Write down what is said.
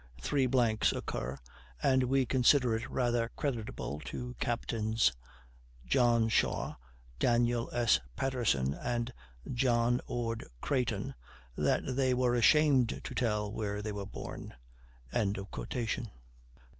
Three blanks occur, and we consider it rather creditable to Captains John Shaw, Daniel S. Patterson, and John Ord Creighton, that they were ashamed to tell where they were born."